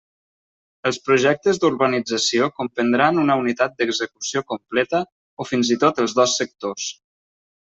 Els projectes d'urbanització comprendran una unitat d'execució completa o fins i tot els dos sectors.